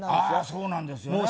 そうなんですよね